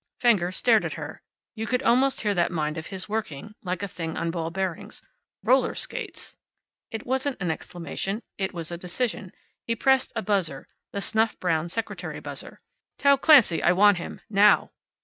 Fenger stared at her. You could almost hear that mind of his working, like a thing on ball bearings. "Roller skates." It wasn't an exclamation. It was a decision. He pressed a buzzer the snuff brown secretary buzzer. "Tell Clancy I want him. Now."